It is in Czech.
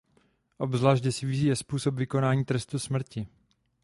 Obzvlášť děsivý je způsob vykonávání trestu smrti.